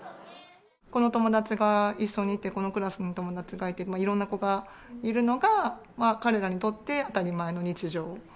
この友達が一緒にいて、このクラスの友達がいて、いろんな子がいるのが、彼らにとって当たり前の日常。